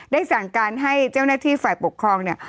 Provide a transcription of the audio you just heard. ได้สั่งการให้เจ้าหน้าที่ฝ่ายปกครองเนี่ย